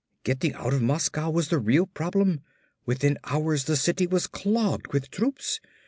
"Getting out of Moscow was the real problem. Within hours the city was clogged with troops.